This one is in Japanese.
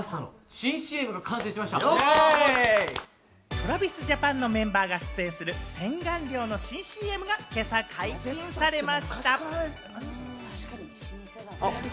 ＴｒａｖｉｓＪａｐａｎのメンバーが出演する洗顔料の新ＣＭが今朝解禁されました。